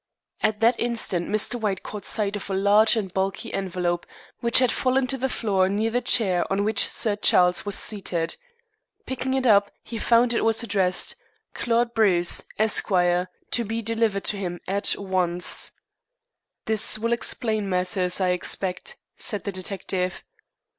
At that instant Mr. White caught sight of a large and bulky envelope, which had fallen to the floor near the chair on which Sir Charles was seated. Picking it up, he found it was addressed, "Claude Bruce, Esq. To be delivered to him at once." "This will explain matters, I expect," said the detective.